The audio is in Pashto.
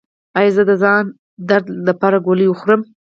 ایا زه د ځان درد لپاره ګولۍ وخورم؟